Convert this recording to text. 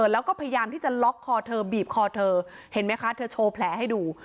แล้วก็พยายามที่จะล็อกคอเธอบีบคอเธอเห็นไหมคะเธอโชว์แผลให้ดู